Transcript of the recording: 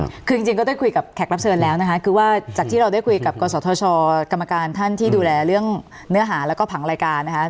คือจริงจริงก็ได้คุยกับแขกรับเชิญแล้วนะคะคือว่าจากที่เราได้คุยกับกศธชกรรมการท่านที่ดูแลเรื่องเนื้อหาแล้วก็ผังรายการนะคะ